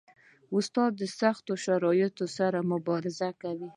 استاد د سختو شرایطو سره مبارزه کوي.